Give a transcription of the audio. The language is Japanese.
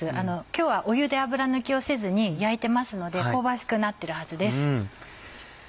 今日は湯で油抜きをせずに焼いてますので香ばしくなってるはずです。